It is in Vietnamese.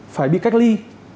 phải bị cách ly